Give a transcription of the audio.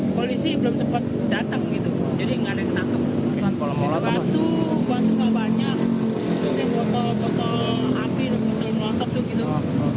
polisi belum cepat datang gitu jadi enggak ada yang takut kalau mau waktu waktu banyak